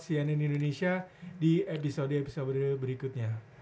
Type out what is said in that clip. cnn indonesia di episode episode berikutnya